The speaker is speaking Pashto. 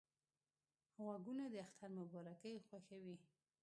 غوږونه د اختر مبارکۍ خوښوي